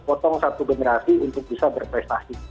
potong satu generasi untuk bisa berprestasi